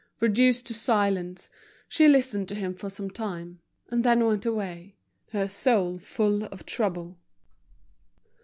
Reduced to silence, she listened to him for some time, and then went away, her soul full of trouble.